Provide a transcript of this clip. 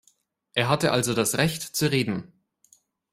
Er hatte also das Recht, zu reden.